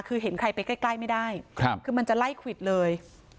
คือเห็นใครไปใกล้ไม่ได้คือมันจะไล่ควิดเลย